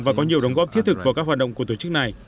và có nhiều đóng góp thiết thực vào các hoạt động của tổ chức này